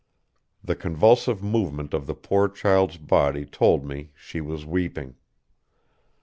The convulsive movement of the poor child's body told me she was weeping.